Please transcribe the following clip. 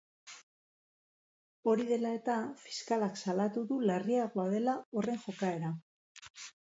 Hori dela eta, fiskalak salatu du larriagoa dela horren jokaera.